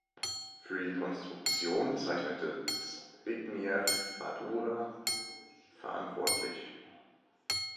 Für die Konstruktion zeichnete Zbigniew Badura verantwortlich.